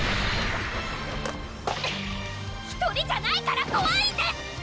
⁉１人じゃないからこわいんです！